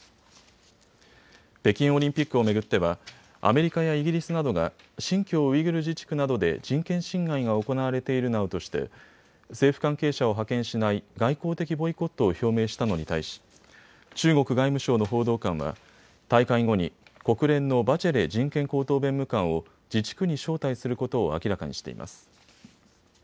北京オリンピックを巡ってはアメリカやイギリスなどが新疆ウイグル自治区などで人権侵害が行われているなどとして政府関係者を派遣しない外交的ボイコットを表明したのに対し中国外務省の報道官は大会後に国連のバチェレ人権高等弁務官を自治区に招待することを明らかにしています。